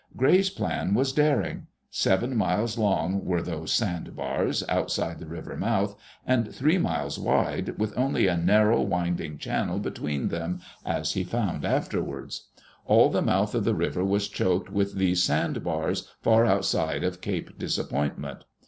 Gray's plan was daring. Seven miles long were those sand bars, outside the river mouth, and three miles wide, with only a narrow, winding channel between them, as he found afterwards. All the mouth of the river was choked with these sand bars, far outside of Cape Disappointment.